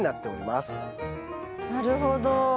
なるほど。